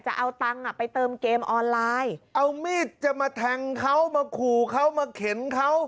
จะเอาตังค์อ่ะไปเติมเกมออนไลน์เอามีดจะมาแทงเขามาขู่เขามาเข็นเขา